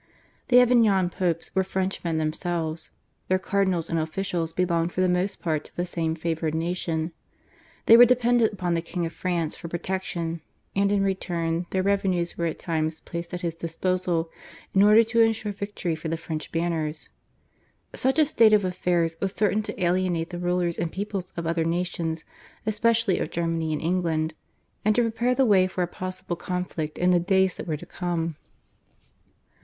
The Avignon Popes were Frenchmen themselves. Their cardinals and officials belonged for the most part to the same favoured nation. They were dependent upon the King of France for protection, and in return, their revenues were at times placed at his disposal in order to ensure victory for the French banners. Such a state of affairs was certain to alienate the rulers and people of other nations, especially of Germany and England, and to prepare the way for a possible conflict in the days that were to come.